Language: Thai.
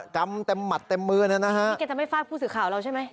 กรรมเต็มหมัดเต็มมือนะฮะนี่แกจะไม่ฟาดผู้สื่อข่าวเราใช่ไหม